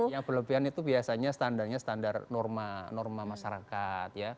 yang berlebihan itu biasanya standarnya standar norma masyarakat